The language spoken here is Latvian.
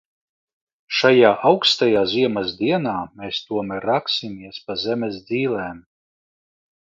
Šajā aukstajā ziemas dienā mēs tomēr raksimies pa zemes dzīlēm.